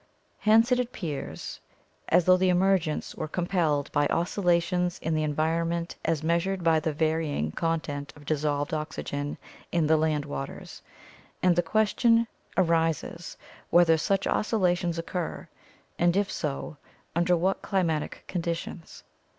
Hence it appears as though the emergence were com pelled by oscillations in the environment as measured by the varying content of dissolved oxygen in the land waters, and the question arises whether such oscillations occur and, if so, under what climatic conditions.